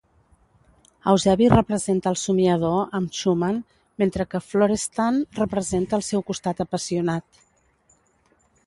Eusebi representa el somiador amb Schumann, mentre que Florestan representa el seu costat apassionat.